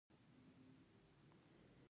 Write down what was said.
په دې ديوان کې يوازې دردناک غزلونه او نظمونه دي